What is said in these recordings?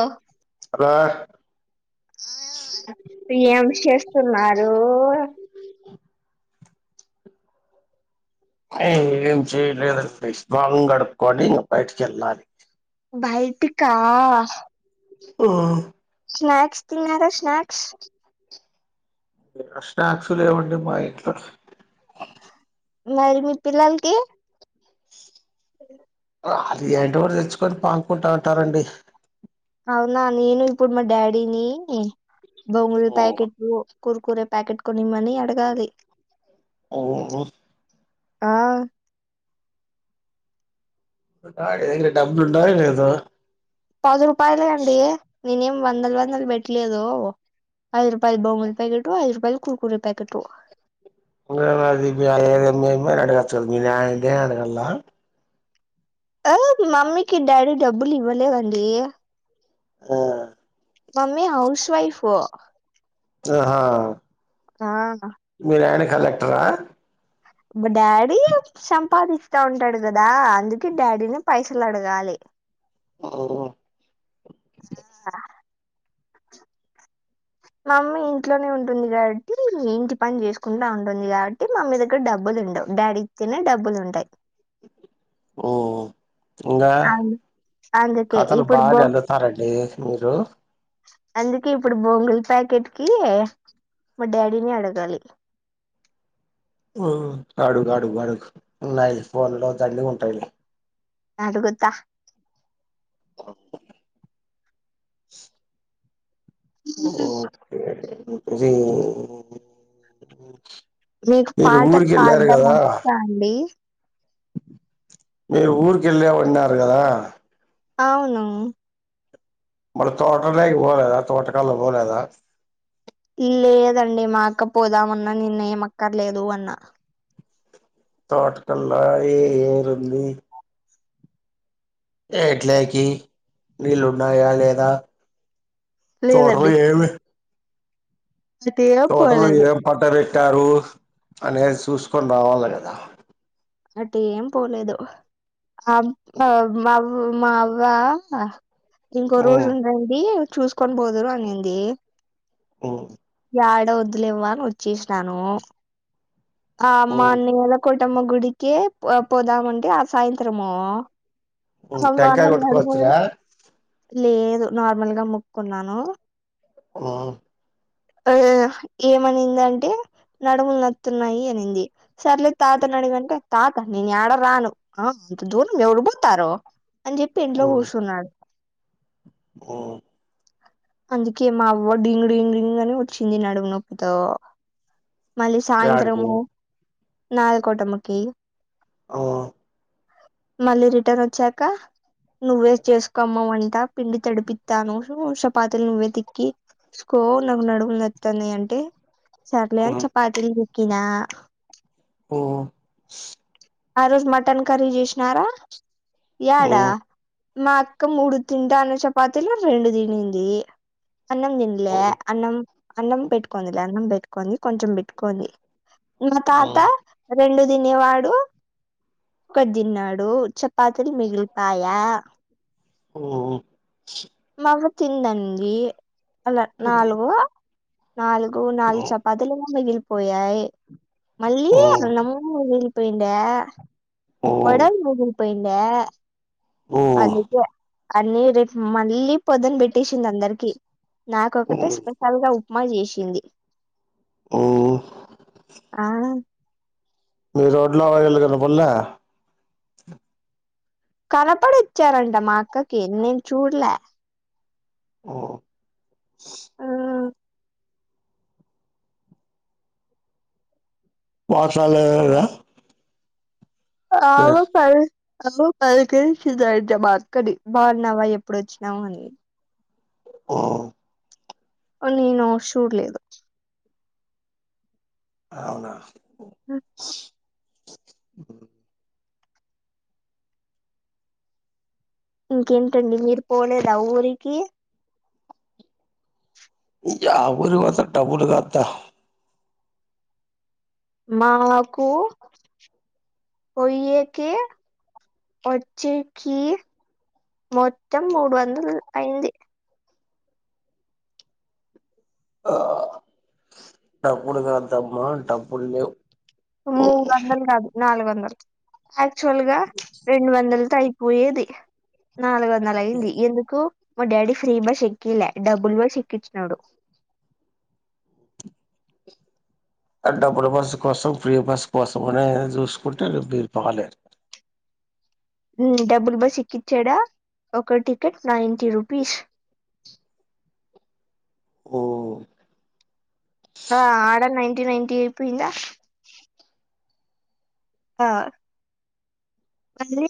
ఓ hello ఏమ్ చేస్తున్నారు ఏం చేయలేదు అండి మోహం కడుకొని ఇంగ బయటకి వెళ్ళాలి బయటికా ఆ స్నాక్స్ తిన్నారా స్నాక్స్ అ స్నాక్స్ లేవండి మా ఇంట్ల మరి మీ పిల్లలకి వాళ్లు ఏంటో ఓటి తెచ్చుకొని పానుకుంటా ఉంటారండి అవునా నేను ఇప్పుడు మా డాడీని బొంగుల ప్యాకిటు కుర్కురే ప్యాకిట్ కొనియమని అడగాలి ఓ ఓ ఆ డాడి దగ్గర డబ్బులు ఉన్నాయో లేదో పది రూపాయలే అండి నేనేం వందలు వందలు పెట్టలేదు ఐదు రూపాయల బొంగుల ప్యాకిటు, ఐదు రూపాయల కుర్కురే ప్యాకిటు ఇంగా అది మీ అమ్మను అడగచ్చు గదా, మీ నాయినే అడగల్నా ఆ మమ్మీకి డాడీ డబ్బులు ఇవ్వలేదండి ఆ మమ్మీ హౌస్ వైఫ్ ఆహా ఆ మీ నాయన కలెక్టరా మా డాడీ సం పాదిస్తా ఉంటాడు కదా అందుకే డాడీని పైసలు అడగాలి హు ఆ మమ్మీ ఇంట్లోనే ఉంటుంది కాబట్టి ఇంటి పని చేసుకుంటా ఉంటుంది కా బట్టి మమ్మీ దగ్గర డబ్బులు ఉండవు డాడీ ఇస్తేనే డబ్బులు ఉంటాయి. ఓ ఇంగా అవును అందుకే కథలు ఇప్పుడు బో బానే అల్లుతారండి మీరు అందుకే ఇప్పుడు బొంగుల ప్యాకిట్ కి మా డాడీనే అడగాలి. ఉమ్ అడుగు అడుగు అడుగు ఉన్నాయి ఫోన్ లో దండిగ ఉంటాయిలే. అడుగుతా అ ఓకే నీకు మీరు పాట ఊరికెళ్ళారు పాడ్డం కదా వచ్చా అండి. మీరు ఊరికి ఎళ్ళమన్నారు కదా అవును మళ్ల తోటకాడికి పోలేదా తోటకల్లా పోలేదా. లేదండి మా అక్క పోదామన్నా నేను ఏమ్ అక్కర్లేదు అన్నా. తోటకల్లా ఏ ఏరు ఉంది. ఎట్లోకి నీళ్ళున్నాయా లేదా తోటలో లేదండి ఏమి అటు ఏం తోటలో పోలేదు ఏం పంట వెట్టారు అనేది చూసుకొని రావాలే కదా. అట్ట ఏం పోలేదు ఆ మా మా అవ్వ ఇంకో రోజు హ్మ్ ఉండండి చూసు కొని బోదురు అనింది ఆ ఆడ వద్దులేవ్వ అని వచ్చేసినాను అమ్మ హ్మ్ అంది కదా కూటమ్మ గుడికి పోదామంటె ఆ సాయంత్రము హ్మ్ అవ్వ టెంకాయ అన్నది నడుము కొట్టుకోవచ్చురా లేదు నార్మల్గా మొక్కున్నాను ఆ ఆ ఏమనింది అంటే నడుములు నతున్నాయి అనింది సర్లి తాత నడిగంటె తాత నన్ ఎడా రాను అంత దూరం ఎవరుబుతారు అని చెప్పి ఇంట్లో కూర్చున్నాడు ఆ అందుకే మా అవ్వ డింగు డింగ్ అని వచ్చింది నడుము నొప్పితో మళ్ళీ యాడికి సాయంత్రము నయా కోటమకి అవ్వ మళ్ళీ రిటర్న్ వచ్చాక నువ్వే చేసుకోమ వంటా పిండి తడిపిస్తాను చపాతిలు నువ్వే తిక్కి సుకో నాకు నడుము నొత్తంది అంటే సర్లేని హ్మ్ చపాతి ఇకిిన ఓ ఆ రోజు మటన్ కర్రీ చేసినారా ఏడా హ్మ్ మా అక్క మూడు తింటన్న చపాతీలు రెండు తినింది అన్నం తింలే హ్మ్ అన్నం అన్నం పెట్టుకోందిలే అన్నం పెట్టుకోడి కొంచెం పెట్టుకోంది మా తాత రెండు తినేవాడు ఒకటి తిన్నాడు చ పాత్రలు మిగిలిపయా ఓ మవ్వ తిందండి అలా నాలుగు నాలుగు నాలుగు చ పాతీలు మిగిలిపోయాయి మల్లి అన్నము మిగి పోయిండా వడలు మిగిలి పోయిండ అందుకే అన్నీ రేపు మళ్ళీ పొదున పెట్టేసింది అందరికి నాకొకటే స్పెషల్ గా ఉప్మా చేసింది ఆ మీ రోడ్లో ఆయిల్ కనపడ్లే కనపడి ఇచ్చారంట మా అక్కకి నేను చూడలే ఉ ఆ పాఠశాల లేదా ఆవ్ బాగు పలకరించింది అయితే మా అక్క ని బాగున్నావా ఎప్పుడు వచ్చినావు అని ఆ ఆ నేను షూడలేదు అవునా ఉ ఇంకేంటండి మీరు పోలేదా ఊరికి యా ఊరు కి పోతా డబ్బులు కాత్త మాకు పోయ్యేకి వచ్చేకి మొత్తం మూడు వందల అయ్యింది ఆ డబ్బులు కావద్దమ్మా డబ్బులు లేవు మూడు వందలు కాదు నాలుగు వందలు యాక్చు వల్ గా అ రెండు వందలతో అయిపోయేది నాలుగు వందలు అయింది ఎందుకు మా డాడీ ఫ్రీ బస్ ఎక్కియల డబ్బులు బస్ ఎక్కిచ్చినాడు ఆ డబ్బుల బస్సు కోసం ఫ్రీ బస్సు కోసం అనే చూసుకుంటే మీరు పోలేరు ఉ డబ్బులు బస్ ఎక్కిచ్చాడా ఒక టికెట్ నైన్టీ రూపీస్ ఉమ్ ఆ ఆడ నైన్టీ నైన్టీ అయిపోయిందా ఆ మళ్ళీ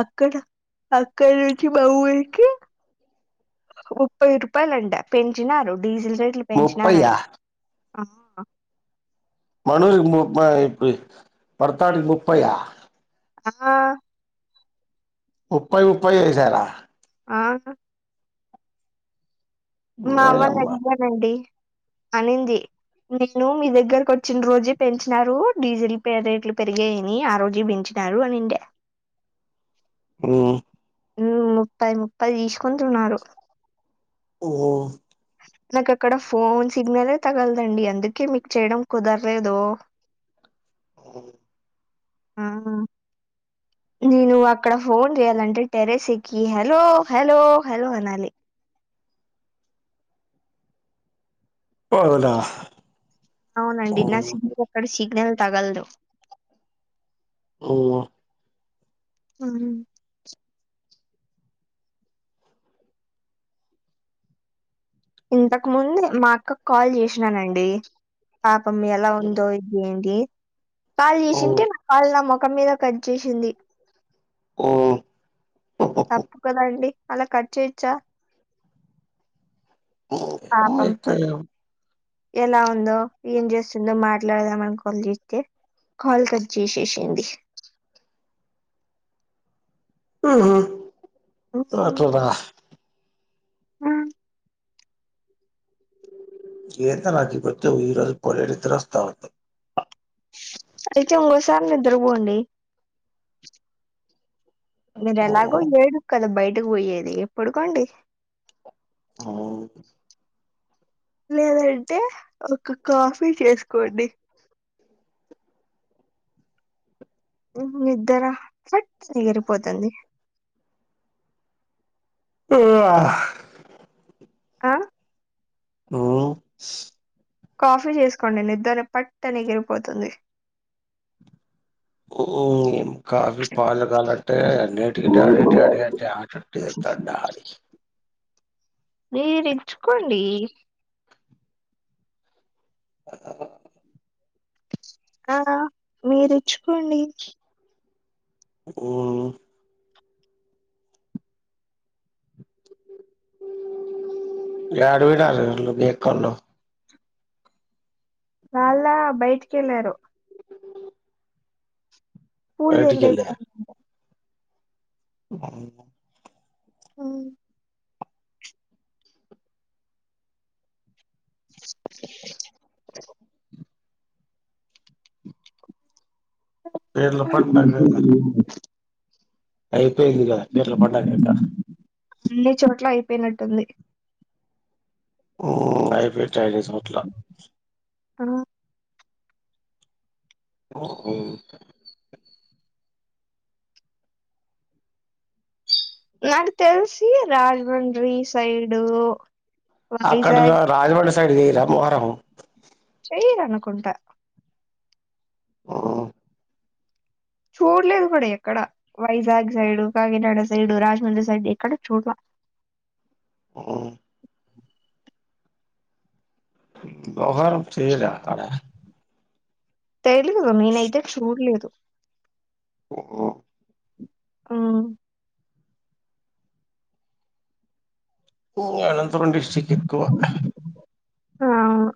అక్కడ అక్కడి నుంచి మా ఊరికి ముప్పై రూపాయలంట పెంచినారు డీజిల్ రేట్లు ముపైయ్య పెంచినారంట ఆ మనూరికి ముపై అయి పొయి పర్తాడికి ముపై య ఆ ముప్పైయి ముప్పైయి చేసార ఆ మా అవ్వ ఓయమ్మ లెక్చరర్ అండి అనింది నేను మీ దగ్గరకు వచ్చిన రోజే పెంచినారు డీజిల్ రేట్లు పెరిగాయని ఆ రోజే పెంచింది అరు అనిండే ఊ ముప్పై ముప్పై తీసుకుంటున్నారు ఓ నాకు అక్కడ ఫోన్ సిగ్నలే తగలదండి అందుకే మీకు చేయడం కుదరలేదు [inaudible] [unintelligible] ఆహ నేను అక్కడ ఫోన్ చేయాలంటే టెర్రస్ ఎక్కి హలో హలో హలో అనాలి అవునా ఓ అవునండి నా సిమ్ కక్కడ సిగ్నల్ తగల్దు ఉమ్ ఆ ఇంతకు ముందే మా అక్కకు కాల్ చేసినానండి పాపం ఎలా ఉందో అదేంటి కాల్ చేసుంటే నా కాల్ నా ముఖం మీద కట్ చేసింది ఓ తప్పు కదా అండి అలా కట్ చేయచ్చా పాపం [unintelligible] ఎలా ఉందో ఏం చేస్తుందో మాట్లాడదాం అనుకొని చేస్తే కాల్ కట్ చేసేసింది ఊ హ్మ్. అట్లానా ఆ ఎంద నాకి కొంచెం ఈ రోజు కూడా నిద్రొస్తా ఉంది అయితే ఇంగోసారి నిద్ర బోండి మీరు ఎలాగో ఏడు కదా బయటకు పోయేది పండుకోండి అవు లేదంటే ఒక కాఫీ చేసుకోండి నిద్దర చటు ఎగిరిపోతుంది [unintelligible] ఆ ఉ కాఫీ చేసుకోండి నిద్ద్ర పట్ట ని ఎగిరిపోతుంది ఊ కాఫీ పాలు కాలంటే అన్నిటికిీ డాడీ డాడీ అంటే తాట తీస్తాడు డాడీ మీరే తెచ్చుకోండి అ ఆ మీరిచ్చుకోండి ఉమ్ ఏదిబోయి నువు ఎక్కున్నావ్ వాళ్ళా బయటికి వెళ్ళారు పులు బయటికి తెంపేకి బ హ్మ్ పీర్ల పండగ అయిపోయింది కదా పిట్ల పండుగ ఇంకా అన్ని చోట్ల అయిపోయినట్టుంది అయిపోయిటా అన్ని చోట్ల ఆ హోటల్ నాకు తెలిసి రాజమండ్రి సైడు అక్కడ వైజాగ్ రాజమండ్రి సైడు చేయరా మొహరం చేయరనుకుంట ఉ చూడలేదు కూడా ఎక్కడ Vizag side Kakinada side Rajahmundry side ఎక్కడ చూడలే ఆ మొహర్రం చేయరా అక్కడ తెలిదు నేనైతే చూడలేదు ఓ ఉమ్ [unintelligible] అనంతపురం డిస్టిక్ట్ ఎక్కువ ఆ అవును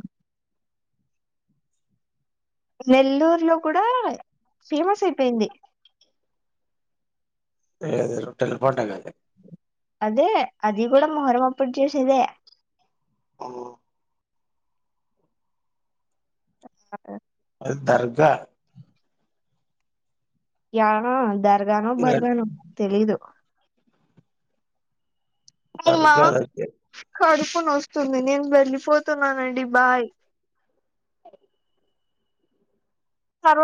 రెల్లూరు లో కూడా ఫేమస్ అయిపోయింది [inaudible] టైలర్ పంట గాది అదే అది కూడా మొహరం అప్పుడు చేసేదే ఆ [unintelligible] దర్గా యనో దర్గా నో బర్గానో తెలీదు అమ్మా దర్గా దగ్గర కడుపునొస్తుంది నేను వెళ్ళిపోతున్నానండి బాయ్ తర్వాత